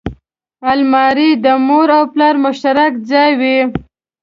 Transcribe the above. الماري د مور او پلار مشترک ځای وي